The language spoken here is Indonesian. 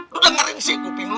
lu dengerin sih kuping dulu